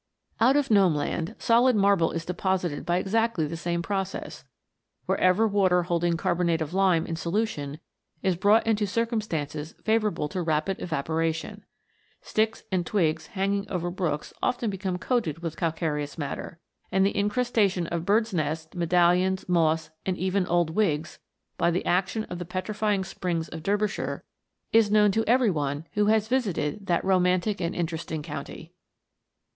Out of Gnome land, solid marble is deposited by exactly the same process, wherever water holding carbonate of lime in solution is brought into cir cumstances favourable to rapid evaporation. Sticks and twigs hanging over brooks often become coated with calcareous matter; and the incrustation of THE GNOMES. 261 birds' nests, medallions, moss, and even old wigs, by the action of the petrifying springs of Derby shire, is known to every one who has visited that romantic and interesting county.